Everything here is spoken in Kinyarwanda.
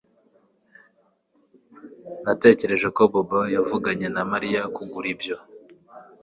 Natekereje ko Bobo yavuganye na Mariya kugura ibyo